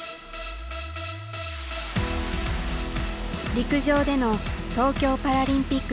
陸上での東京パラリンピック挑戦。